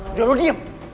udah lo diem